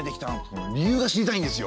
その理由が知りたいんですよ。